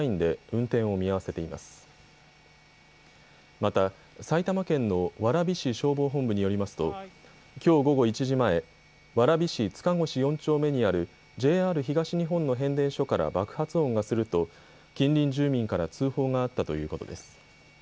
また埼玉県の蕨市消防本部によりますときょう午後１時前、蕨市塚越４丁目にあるＪＲ東日本の変電所から爆発音がすると近隣住民から通報があったということです。